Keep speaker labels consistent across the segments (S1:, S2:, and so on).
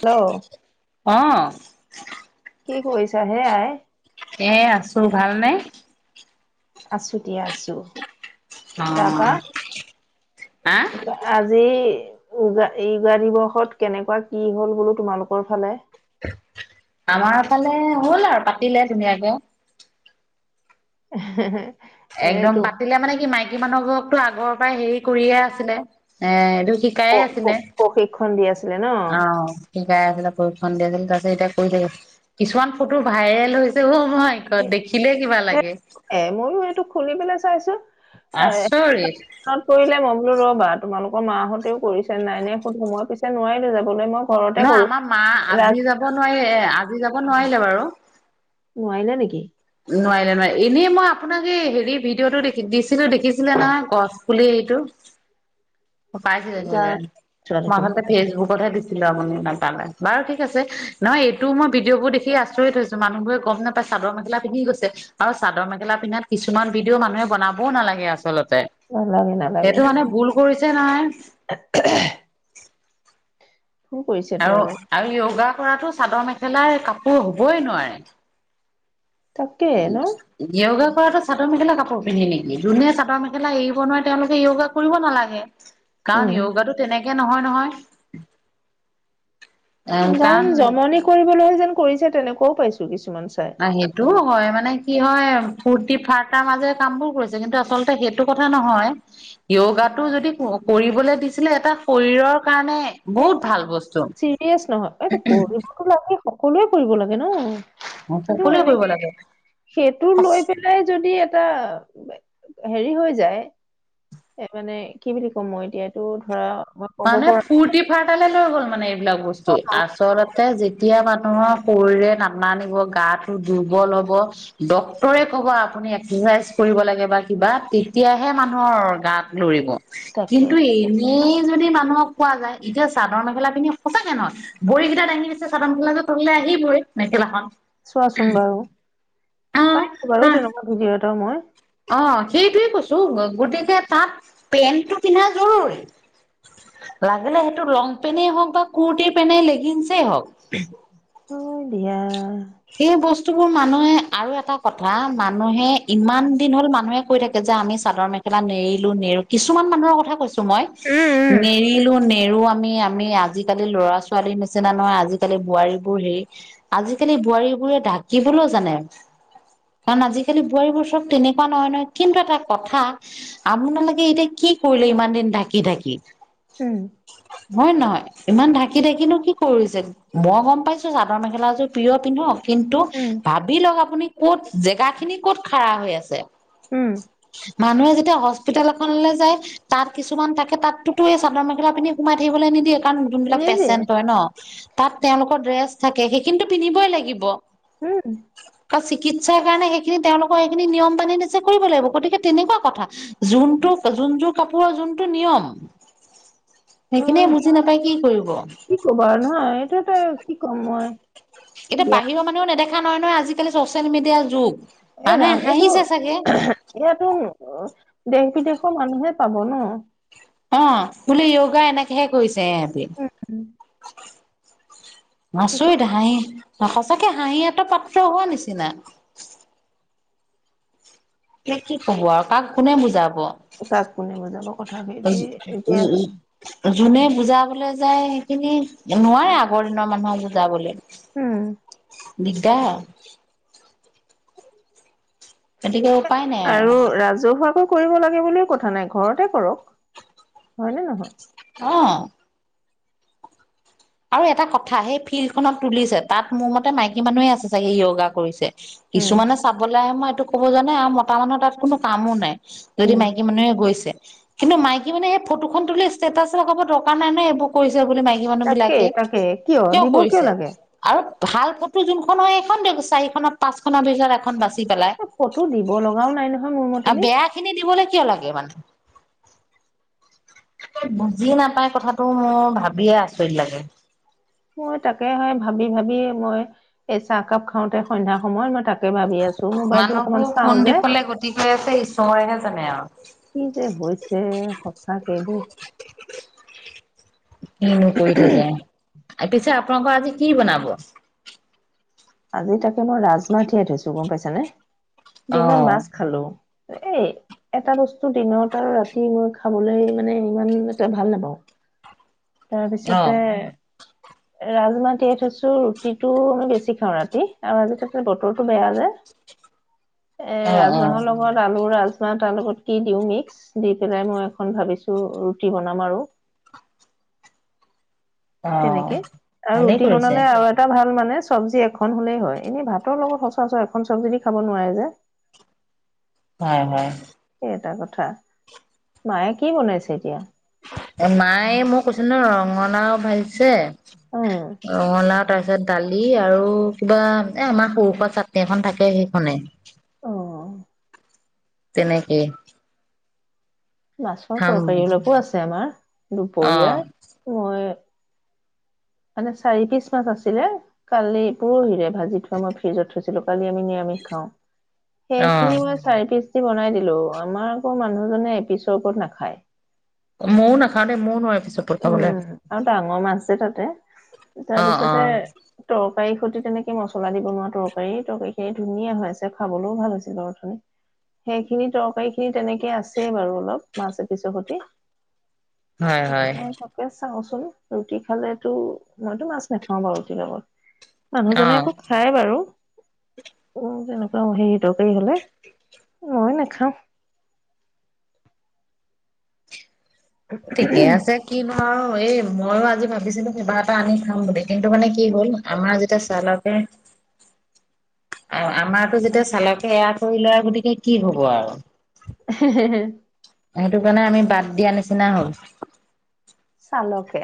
S1: Hello
S2: অৱ
S1: কি কৰিছা হে আই
S2: এ আছো ভালনে?
S1: আছো দিয়া আছোঁ
S2: অৱ
S1: আজি য়োগা দিৱসত কেনেকুৱা কি হ'ল বোলো তোমালোকৰ ফালে
S2: আমাৰ ফালে হ'ল আৰু পাতিলে ধুনীয়াকে
S1: [unintelligible]
S2: একদম
S1: এইটো
S2: পাতিলে মানে কি মাইকী মানুহবোৰকটো আগৰ পৰাই হেৰি কৰিয়ে আছিলে এ এইটো শিকায়ে আছিলে।
S1: প্ৰশিক্ষণ দি আছিলে ন
S2: অ', শিকাই আছিলে প্ৰশিক্ষণ দি আছিল তাৰপিছত এতিয়া কৰি থাগে কিছুমান ফটো ভাইৰেল হৈছে অ নহ ক দেখিলে কিবা লাগে।
S1: এ ময়ো এইটো খুলি পেলাই চাইছো
S2: আচৰিত
S1: [unintelligible] কৰিলে মই বোলো বা তোমালোকৰ মাহতেও কৰিছে নাই নে সুত সময় পিছে নোৱাৰিলো যাবলৈ মই ঘৰতে
S2: নহ
S1: কৰো
S2: আমাৰ মা আজি
S1: ৰাজ
S2: যাব নোৱাৰিল এ আজি যাব নোৱাৰিলে বাৰু
S1: নোৱাৰিলে নেকি
S2: নোৱাৰিলে নোৱাৰি এনেই মই আপোনাক এই হেৰি ভিডিঅ'টো দে দিছিলো দেখিছিলে নহয় গছ পুলি এইটো পাইছিলে
S1: যা
S2: চাগে
S1: চোৱা
S2: মই
S1: দেখোন
S2: আচলতে ফেচবুকতহে দিছিলো আপুনি নাপালে বাৰুঠিক আছে নহয় এইটো মই ভিডিঅ' বোৰ দেখি আচৰিত থৈছো মানুহবোৰে গম নাপায় চাদৰ মেখেলা পিন্ধি গৈছে আৰু চাদৰ মেখেলা পিন্ধাত কিছুমান ভিডিঅ' মানুহে বনাবও নালাগে আচলতে
S1: নালাগে নালাগে
S2: সেইটো মানে
S1: ফোন
S2: ভুল কৰিছে নহয় আৰু আৰু য়োগা কৰাতো চাদৰ মেখেলাই কাপোৰ হবই নোৱাৰে
S1: তাকে ন
S2: উ য়গা কৰাতো চাদৰ মেখেলা কাপোৰ পিন্ধি নেকি ধুনীয়া চাদৰ মেখেলা এৰিব নোৱাৰে তেওঁলোকে য়োগা কৰিব নালাগে কাৰণ
S1: উম
S2: য়োগাাটো তেনেকে তেনেকে নহয় নহয় এ
S1: দাম
S2: কাৰণ
S1: জমনি কৰিবলৈ যেন কৰিছে তেনেকুৱাও পাইছো কিছু
S2: অ সেইটোও হয় মানে কি হয় ফুৰ্তি ফাৰ্তাৰ মাজেৰে কাম বোৰ কৰিছে কিন্তু আচলতে সেইটো কথা নহয় য়গা টো যদি কৰিবলৈ দিছিলে এটা শৰীৰৰ কাৰণে
S1: সেই
S2: বহুত ভাল বস্তু
S1: চিৰিয়াছ নহয় এই কৰিবতো লাগে সকলোৱে কৰিব লাগে ন। কিন্তু
S2: সকলোৱে কৰিব
S1: এনেকে
S2: লাগে
S1: সেইটো লৈ পেলাই যদি এটা হেৰি হৈ যায় এ মানে কি বুলি কম মই এতিয়া এইটো ধৰা মই ক'ব
S2: মানে
S1: পৰা
S2: ফুৰ্তি ফাৰ্তালৈ লৈ গ'ল মানে এইবিলাক বস্তু
S1: অ
S2: আচলতে যেতিয়া মানুহৰ শৰীৰে নামানিব গা টো দুৰ্বল হব ডক্তৰে কব আপুনি এক্সাৰচাইজ কৰিব লাগে বা কিবা তেতিয়াহে মানুহৰ গাত লৰিব
S1: তাকে
S2: কিন্তু এনে যদি মানুহক কোৱা যায় এতিয়া চাদৰ মেখেলা পিন্ধি সঁচাকে নহয় ভৰি কেইটা দাঙি দিছে চাদৰ মেখেলা যোৰ তললে আহি আহিবই মেখেলাখন
S1: চোৱাচোন বাৰু
S2: অ
S1: পাইছো বাৰু তেনেকুৱা ভিডিঅ এটা মই
S2: অ সেইটোৱে কৈছো গতিকে তাত পেন্টটো পিন্ধা জৰুৰী। লাগিলে সেইটো লং পেনেই হওঁক বা কুৰ্টিৰ পেণেই লেগিনছেই হওক।
S1: হয় দিয়া।
S2: সেই বস্তুবোৰ মানুহে আৰু এটা কথা মানুহে ইমান দিন হ'ল মানুহে কৈ থাকে যে আমি চাদৰ মেখেলা নেৰিলো নেৰো কিছুমান মানুহৰ কথা কৈছো মই
S1: উম উম
S2: নেৰিলোঁ নেৰি নেৰিলো আমি আমি আজিকালি ল'ৰা ছোৱালীৰ নিচিনা নহয় আজিকালি বোৱাৰী বোৰ হেৰি আজি আজিকালি বোৱাৰী বোৰে ঢাকিবলৈও জানে কাৰণ আজিকালি বোৱাৰীবোৰ চব তেনেকুৱা নহয় নহয় কিন্তু এটা কথা আপোনালোকে এতিয়া কি কি কৰিলে ইমান দিন ঢাকি ঢাকি।
S1: উম
S2: হয় নহয় ইমান ঢাকি ঢাকিনো কি কৰিছে মই গম পাইছো চাদৰ মেখেলাযোৰ। পিন্ধক কিন্তু
S1: উম
S2: ভাবি লওক আপুনি ক'ত জেগা খিনি কত খাৰা হৈ আছে।
S1: উম
S2: মানুহে যেতিয়া হস্পিতেল এখনলৈ যায় তাত কিছুমান থাকে তাতোতো এই চাদৰ মেখেলা পিন্ধি সোমাই থাকিবলৈ নিদিয়ে। কাৰণ যোনবিলাক
S1: নিদিয়ে
S2: পেচেন্ট হয় ন তাত তেওঁলোকৰ ড্ৰেছ থাকে সেইখিনিটো পিন্ধিবই লাগিব।
S1: উম
S2: চিকিৎসাৰ কাৰণে সেইখিনি তেওঁলোকৰ সেইখিনি নিয়ম বান্ধি দিছে কৰিব লাগিব গতিকে তেনেকুৱা কথা। যোনটো যোনযোৰ কাপোৰৰ যোনটো নিয়ম
S1: হয়
S2: সেইখিনিয়েই বুজি নাপায় কি কৰিব।
S1: কি ক'বা আৰু নহয় এইটো এটা কি কম মই
S2: এতিয়া
S1: দিয়া
S2: বাহিৰৰ মানুহও নেদেখা নহয় নহয় আজিকালি চচিয়েল মিডিয়াৰ যুগ
S1: এ
S2: মানুহে
S1: ৰাম এইটো
S2: হাঁহিছে চাগে
S1: ইয়াতো দেশ বিদেশৰ মানুহে পাব ন।
S2: অ বোলে য়োগা এনেকেহে কৰিছে এহেতি।
S1: উম, কি ক
S2: আচৰিত হাঁহি সঁচাকে হাঁহি এটা পাত্ৰ হোৱা নিচিনা ত কি কব আৰু কাক কোনে বুজাব। উ
S1: তাক কোনে বুজাব কথা সেইটোৱে এতিয়া
S2: যোনে বুজাবলে। যায় সেইখিনি নোৱাৰে আগৰ দিনৰ মানুহক বুজাবলৈ।
S1: উম
S2: দিগদাৰ। গতিকে উপায় নাই
S1: আৰু ৰাজহুৱা আকৌ। কৰিব লাগে বুলিও কথা নাই ঘৰতে কৰক হয় নে নহয়।
S2: অ আৰু এটা কথা সেই ফিল্ড খনত তুলিছে তাত মোৰ মতে মাইকী মানুহে আছে চাগে য়োগা কৰিছে।
S1: উম
S2: কিছুমানে চাবলৈ আহে মই এইটো ক'ব জানাই আৰু মতা মানুহৰ তাত কোনো কামো নাই। যদি
S1: উম
S2: মাইকী মানুহে গৈছে। কিন্তু মাইকী মানুহে এই ফটোখন তুলি ষ্টেটাছ লগাব দৰকাৰ নাই নহয় এইবোৰ কৰিছে বুলি মাইকী মানুহ বিলাক
S1: তাকে তাকে
S2: কিয়
S1: দিব কিয়
S2: কৰিছে
S1: লাগে
S2: আৰু। ভাল ফটো যোনখন হয় সেইখন দে চাৰিখন পাঁচ খনৰ ভিতৰত এখন বাচ পেলাই
S1: এ ফটো দিব লগাও নাই নহয় মোৰ মতেদি
S2: আৰু বেয়া খিনি দিবলৈ কিয় লাগে মানে। বুজি নাপাই কথাটো মোৰ ভাবিয়ে আচৰিত লাগে।
S1: মই তাকেহে ভাবি ভাবি মই এই চাহকাপ খাওঁতে সন্ধ্যা সময়ত মই তাকে ভাবি আছো মোবাইলটো অকমান
S2: মানুহবোৰ
S1: চাও
S2: কোন
S1: যে
S2: দিশলে গতি কৰি আছে ঈশ্বৰৰেহে জানে আৰু।
S1: কি যে হৈছে সঁচাকেই দেই
S2: কিনো কৰি থাকে পিছে আপোনালোকৰ আজি কি বনাব।
S1: আজি তাকে মই ৰাজমাহ তিয়াই থৈছো গম পাইছ নে দিনত
S2: অ',
S1: মাছ খালো। এই এটা বস্তু দিনত আৰু ৰাতি মই খাবলৈ মানে ইমান এটা ভাল নাপাওঁ। তাৰপিছতে।
S2: অ',
S1: ৰাজমাহ তিয়াই থৈছো ৰুটিটো আমি বেছি খাওঁ ৰাতি আৰু আজি তাতে বতৰটো বেয়া যে। এ
S2: অ', অ',
S1: ৰাজমাহৰ লগত আলু ৰাজ তাৰ লগত কি দিওঁ মিক্স দি পেলাই মই এখন ভাবিছো ৰুটি বনাম আৰু।
S2: অ'।
S1: তেনেকে আৰু
S2: ভালেই
S1: ৰুটি
S2: কৰিছে,
S1: বনালে আৰু এটা ভাল মানে চব্জি এখন হলেই হয় এনে ভাতৰ লগত সচৰাচৰ এখন চব্জি দি খাব নোৱাৰে যে। [inaudible]
S2: হয় হয়।
S1: সেই এটা কথা মায়ে কি বনাইছে এতিয়া।
S2: মায়ে মই কৈছোঁ নহয় ৰঙলাও ভাজিছে।
S1: উম
S2: ৰঙালাও তাৰপিছত দালি আৰু। কিবা এ আমাৰ সৰু হোৰা চাটনি এখন থাকে সেইখনে
S1: অ
S2: তেনেকে
S1: মাছৰ তৰকাৰী অলপো আছে আমাৰ
S2: অ',
S1: দুপৰীয়াৰ মই মানে চাৰি পিচ মাছ আছিলে কালি পৰহিৰে ভাজি থোৱা মই ফ্ৰিজত থৈছো। থৈছিলো কালি আমি নিৰামিষ খাও
S2: অ',
S1: সেইখিনি মই চাৰি পিছ। বনাই দিলো আমাৰ আকৌ মানুহজনে এপিছৰ ওপৰত নাখায়।
S2: মইও নাখাও দেই মইও নোৱা।
S1: উম আৰু ডাঙৰ মাছ যে তাতে।
S2: অ',
S1: তাৰপিছতে
S2: অ',
S1: টক তৰকাৰীৰ সৈতি তেনেকে মছলা দি বনোৱা তৰকাৰী তৰকাৰী খিনি ধুনীয়া হৈ আছে খাবলৈও ভাল হৈছিল বাৰু অথনি। সেইখিনি তৰকাৰী খিনি তেনেকে আছেই বাৰু অলপ মাছ এপিছৰ সতি।
S2: হয়, হয়,
S1: এ তাকে চাওঁচোন ৰুটি খালেটো মইতো মাছ নাখাও বাৰু ৰুটিৰ লগত। মানুহজনে
S2: অ'।
S1: আকৌ খায় বাৰু। উ তেনেকুৱা হেৰিতৰকাৰি হলে মই নাখাওঁ। [inaudible]
S2: ঠিকে আছে কিনো আৰু এই মইও আজি ভাবিছিলো কিবা এটা আনি খাম বুলি। কিন্তু মানে কি হ'ল আমাৰ যেতিয়া চালকে। অ আমাৰতো যেতিয়া চালকে এয়া কৰিলে গতিকে কি হব আৰু সেইটো কাৰণে আমি বাদ দিয়া নিচিনা হ'ল
S1: চালকে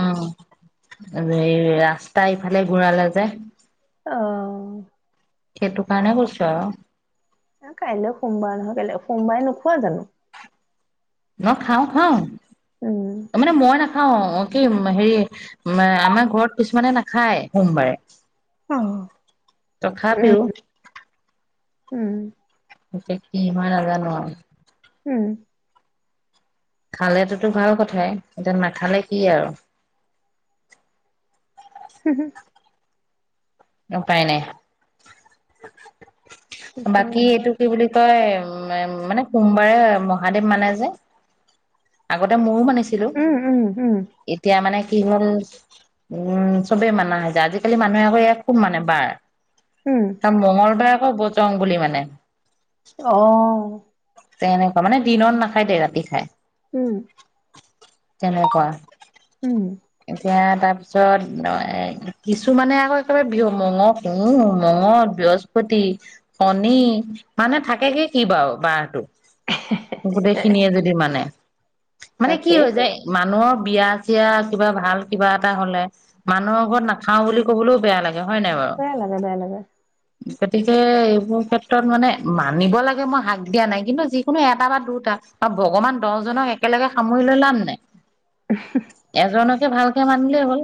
S2: উম ৰাস্তা ইফালে ঘুৰালে যে
S1: অ
S2: সেইটো কাৰণে কৈছোঁ আৰু
S1: কাইলৈ সোমবাৰ নহয় কা সোমবাৰে নোখোৱা জানো [unintelligible]
S2: ন খাওঁ খাওঁ
S1: উম
S2: মানে মই না খাওঁ কি হেৰি আমাৰ ঘৰত কিছুমানে নাখায় সোমবাৰে
S1: অ উম
S2: তথাপিও
S1: উম
S2: এতিয়া কি হয় নাজানো আৰু
S1: উম
S2: খালেতোতো ভাল কথাই এতিয়া নাখালে কি আৰু
S1: [unintelligible] হু হু
S2: উপায় নাই।
S1: কি
S2: বাকী
S1: কৰিবা
S2: এইটো কি বুলি কয় উ মানে সোমবাৰে মহাদেৱ মানে যে, আগতে মোৰো মানিছি - ছিলো, এতিয়া মানে কি হল উম চবেই মানা হৈ যায়। আজিকালি মানুহে আকৌ খুব মানে বাৰ। ত মঙ্গলবাৰে আকৌ বজং বুলি মানে। তেনেকুৱা, মানে দিনত নাখায় দে ৰাতি খাই।
S1: উম।
S2: তেনেকুৱা।
S1: উম।
S2: এতিয়া তাৰ পিছত কিছু মানে আকৌ একেবাৰে বিহু মঙ উ- মগদ, বৃহস্পতি, শণী মানে থাকে কি কি বাৰু বাৰটো। গোটেইখিনিয়ে যদি মানে। মানে কি হয়
S1: তাকেইতো,
S2: যায় মানুহৰ বিয়া চিয়া কিবা ভাল কিবা এটা হলে মানুহৰ ঘৰত নাখাও বুলি ক'বলৈও বেয়া লাগে। [unintelligible] বাৰু
S1: বেয়া লাগে বেয়া লাগে।
S2: গতিকে এইবোৰ ক্ষেত্ৰত মানে মানিব লাগে মই হাক দিয়া নাই। কিন্তু যিকোনো এটা বা দুটা আৰু ভগৱান দহজনক একেলগে সামৰি লৈ ললা নে নাই [unintelligible]
S1: উ হু [unintelligible]
S2: এজনকে ভালকে মানিলেই হ'ল,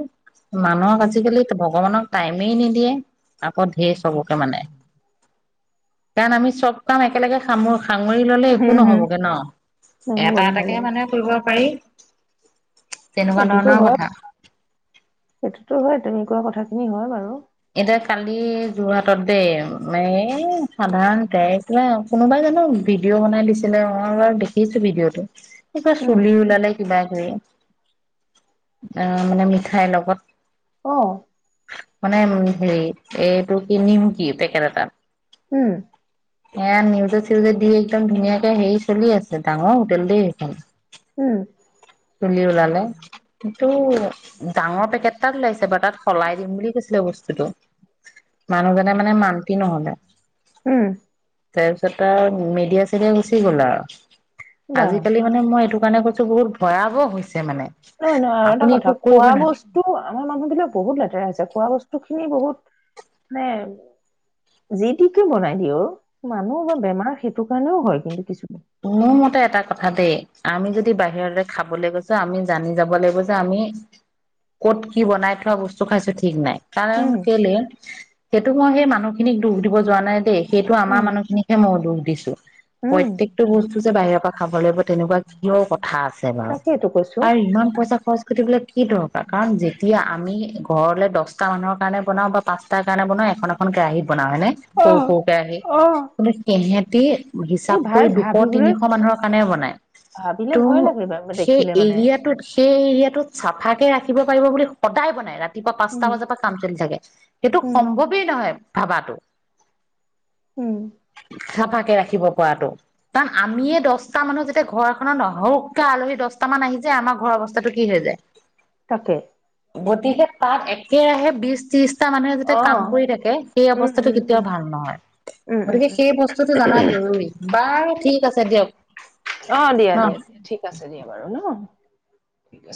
S2: মানুহক আজিকালি ভগৱানক টাইমেই নিদিয়ে। আকৌ ধেৰ চবকে মানে। কাৰণ আমি চব কাম একেলগে সাম- ফাঙুৰি ল'লে একো
S1: হুম, হুম।
S2: নহ'বগৈ
S1: নহ'ব নহ'ব। সেইটোতো হয়
S2: কথা
S1: সেইটোতো হয়, তেনেকোৱা কথা খিনি হয় বাৰু।
S2: এতিয়া কালি যোৰহাটত দেই ম এই সাধাৰণতে আৰু [unintelligible] কোনোবাই মানে ভিডিঅ' বনাই দিছিলে, মই বাৰু দেখিছো ভিডিঅ'টো। কিবা
S1: উম।
S2: চুলি ওলালে কিবা কৰি আহ মানে মিঠাইৰ লগত,
S1: অহ।
S2: মানে উ হেৰি এইটো কি নিমকি পেকেট এটা।
S1: উম।
S2: এ নিউজে চিউজে দি একদম ধুনীয়াকে হেৰি চলি আছে। ডাঙৰ হোটেলদেই সেইখন।
S1: উম,
S2: চুলি ওলালে। কিন্তু, ডাঙৰ পেকেট তাত ওলাইছে বা তাত সলাই দিম বুলি কৈছিলে বস্তুটো। মানুহজনে মানে মান্তি নহলে।
S1: উম।
S2: তাৰপিছত আৰু মিডিয়া চিডিয়া গুচি গ'ল আৰু।
S1: বাহ!
S2: আজিকালি মানে মই এইটো স কাৰনে কৈছো বহুত ভয়াৱহ হৈছে। [unintelligible]
S1: নহয় নহয় আৰু এটা
S2: আপুনি
S1: কথা
S2: একো কৰিব
S1: খোৱা
S2: না
S1: বস্তু আমাৰ মানুহ বিলাক বহুত লেতেৰা আছে। খোৱা বস্তু খিনি বহুত মানে, যি তিকে বনাই দিয়ে অ, মানুহ বা বেমাৰ সেইটো কাৰণেও হয় কিন্তু কিছু।
S2: মোৰ মতে এটা কথা দেই, আমি যদি বাহিৰতে খাবলৈ গৈছো আমি জানি যাব লাগিব যে আমি কত কি বনাই থোৱা বস্তু খাইছো ঠিক নাই। কাৰণ
S1: উম,
S2: কেলে, সেইটো মই সেই মানুহখিনিক দুখ দিব যোৱা নাই দেই। সেইটো আমাৰ
S1: উম,
S2: মানুহখিনিকহে মই দুখ দিছো।
S1: উম।
S2: প্ৰত্যেক ব [unintelligible] বাহিৰৰ পৰা খাব লাগিব তেনেকুৱা কিয় কথা আছে বা,
S1: তাকেইতো কৈছোঁ।
S2: আৰু ইমান পইচা খ- কি দৰকাৰ। কাৰণ যেতিয়া আমি ঘৰলে দটা মানুহৰ কাৰণে বনাও বা প- তাৰ কাৰণে বনাৱ এখন এখন কেৰাহিত বনাও হয়েনে, সৰু
S1: অ',
S2: সৰু কেৰাহী।
S1: অ'।
S2: কিন্ত সেহেঁতি
S1: এই
S2: হিচাপ
S1: ভাই
S2: কৰি দুখ-
S1: ভাবিবলৈ
S2: তিনিশ মানুহৰ কাৰণে বনায়।
S1: ভাবিলে
S2: ত
S1: ভয় লাগে বা-
S2: সেই
S1: দেখিলে মানে।
S2: এৰিয়াটোত সেই এৰিয়াটোত চাফাকে ৰাখিব পাৰিব বুলি সদায় বনায় ৰাতি। ৰাতিপুৱা
S1: উম,
S2: পাঁচটা বজাৰ পৰা কাম চলি থাকে। সেইটো
S1: উম,
S2: সম্ভৱেই নহয় ভাবাটো।
S1: উম।
S2: চাফাকে ৰাখিব পৰাটো কাৰণ আমিয়ে দহটা মানুহ যেতিয়া ঘৰ এখনত নহওক আলহী দহটা মান আহি যায় আমাৰ ঘৰ অৱস্থাটো কি হৈ যায়। [inaudible]
S1: তাকে
S2: গতিকে তাত একেৰাহে বিশ ত্ৰিশ মানুহে যাতে কাম
S1: অ',
S2: কৰি থাকে সেই
S1: উম,
S2: অৱস্থাটো
S1: উম,
S2: কেতিয়াও
S1: উম,
S2: ভাল নহয়
S1: উম, উম,
S2: গতিকে
S1: উম,
S2: সেই বস্তুতটো জনাৰ জ। বাৰু ঠিক আছে দিয়ক
S1: অ দিয়া
S2: ন।
S1: দিয়া দিয়া ঠিক আছে দিয়া বাৰু নঠিকছে